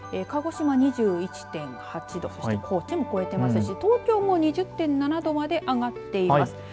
鹿児島２１．８度そして高知も超えていますし東京も２０．７度まで上がっています。